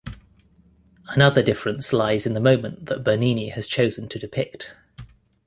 Another difference lies in the moment that Bernini has chosen to depict.